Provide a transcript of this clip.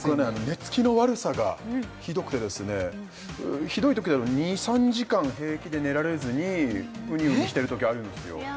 寝つきの悪さがひどくてひどいときであれば２３時間平気で寝られずにうにうにしてるときあるんですよ